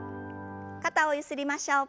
肩をゆすりましょう。